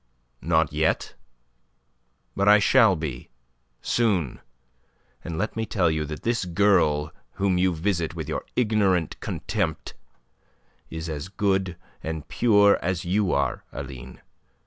"Not yet. But I shall be, soon. And let me tell you that this girl whom you visit with your ignorant contempt is as good and pure as you are, Aline.